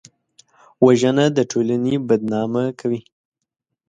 وژنه د ټولنې بدنامه کوي